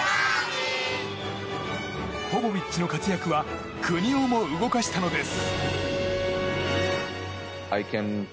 ポポビッチの活躍は国をも動かしたのです。